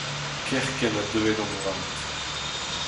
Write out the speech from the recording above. kerkent ha deuet an oad